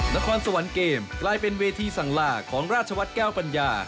นครสวรรค์เกมกลายเป็นเวทีสั่งลาของราชวัฒน์แก้วปัญญา